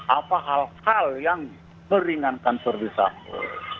apa hal hal yang meringankan verdi sambo